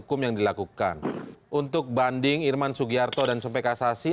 untuk banding irman sugiarto dan smpk sasi